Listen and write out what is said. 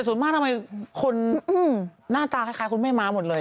ส่วนมากทำไมคนหน้าตาคล้ายคุณแม่ม้าหมดเลย